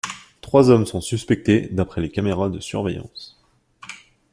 Trois hommes sont suspectés d'après les caméras de surveillance.